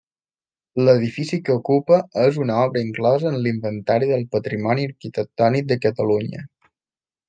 L'edifici que ocupa és una obra inclosa en l'Inventari del Patrimoni Arquitectònic de Catalunya.